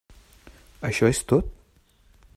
Això és tot?